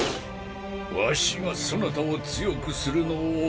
ワシがそなたを強くするのを恐れた。